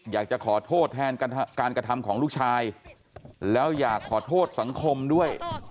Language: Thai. อยากจะขอโทษแทนการกระทำของลูกชายแล้วอยากขอโทษสังคมด้วย